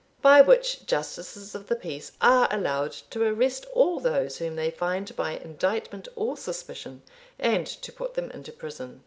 by which justices of the peace are allowed to arrest all those whom they find by indictment or suspicion, and to put them into prison.